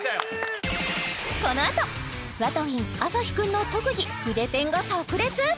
このあとＷＡＴＷＩＮＧ曉くんの特技筆ペンがさく裂！？